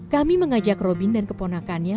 kami mengajak robin dan keponakannya